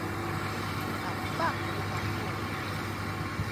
kapah tu kaku